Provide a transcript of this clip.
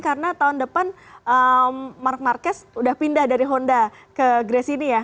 karena tahun depan mark marques sudah pindah dari honda ke gresini ya